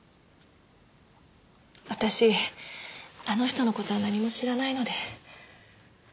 私あの人の事は何も知らないので。